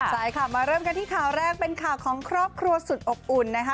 ใช่ค่ะมาเริ่มกันที่ข่าวแรกเป็นข่าวของครอบครัวสุดอบอุ่นนะคะ